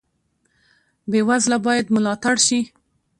بې وزله باید ملاتړ شي